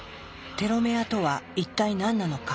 テロメアとは一体何なのか？